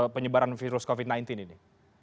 penyebaran virus covid sembilan belas ini